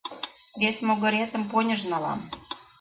Вес могыретым поньыж налам.